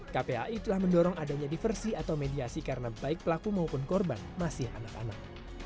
kpai telah mendorong adanya diversi atau mediasi karena baik pelaku maupun korban masih anak anak